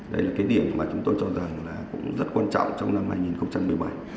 đấy là cái điểm mà chúng tôi cho rằng là cũng rất quan trọng trong năm hai nghìn một mươi bảy